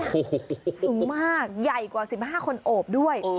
โอ้โหสูงมากใหญ่กว่า๑๕คนโอบด้วย